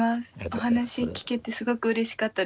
お話聞けてすごくうれしかったです。